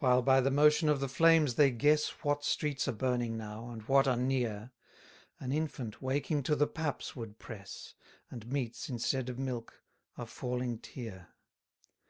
259 While by the motion of the flames they guess What streets are burning now, and what are near; An infant waking to the paps would press, And meets, instead of milk, a falling tear.